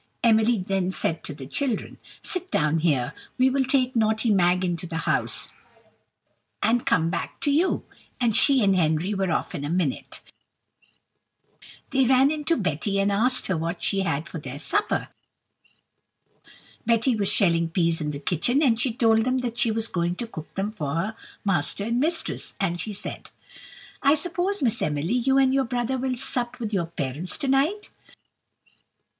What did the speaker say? Emily then said to the children: "Sit down here; we will take naughty Mag into the house, and come back to you;" and she and Henry were off in a minute. They ran in to Betty, and asked her what she had for their supper. Betty was shelling peas in the kitchen, and she told them that she was going to cook them for her master and mistress; and she said: "I suppose, Miss Emily, you and your brother will sup with your parents to night."